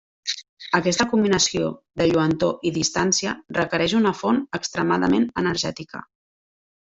Aquesta combinació de lluentor i distància requereix una font extremadament energètica.